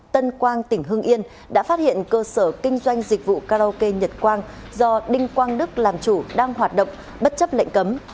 tân quang tỉnh hưng yên đã phát hiện cơ sở kinh doanh dịch vụ karaoke nhật quang do đinh quang đức làm chủ đang hoạt động bất chấp lệnh cấm